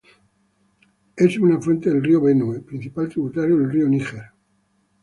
Es un afluente del río Benue, principal tributario del río Níger.